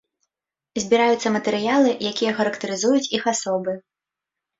Збіраюцца матэрыялы, якія характарызуюць іх асобы.